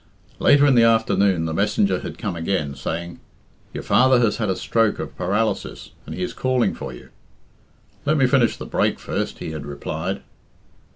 Later in the afternoon the messenger had come again, saying, "Your father has had a stroke of paralysis, and he is calling for you." "Let me finish the break first," he had replied.